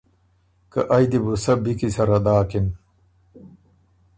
که ائ دی بُو سۀ بی کی سره داکِن۔